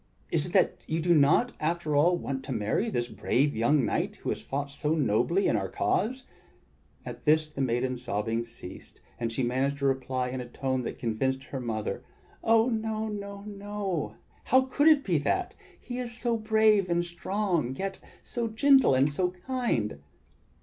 Is it that you do not, after all, want to marry this brave young knight who has fought so nobly in our cause?" At this the maiden's sobbing ceased, and she managed to reply in a tone that convinced her mother: "Oh! no, no, no. How could it be that? He is so brave and strong, yet so gentle and so kind!"